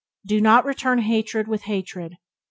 Do not return hatred with hatred.